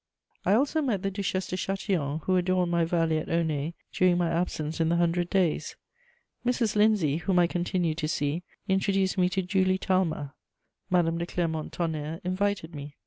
I also met the Duchesse de Châtillon, who adorned my valley at Aulnay during my absence in the Hundred Days. Mrs. Lindsay, whom I continued to see, introduced me to Julie Talma. Madame de Clermont Tonnerre invited me.